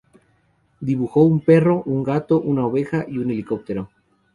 Dibujó un perro, un gato, una oveja y un helicóptero.